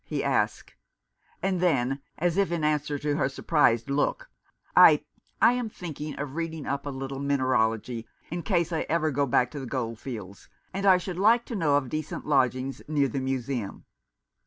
" he asked ; and then, as if in answer to her surprised look, "I — I — am thinking of reading up a little mineralogy — in case I ever go back to the goldfields — and I should like to know of decent lodgings near the Museum."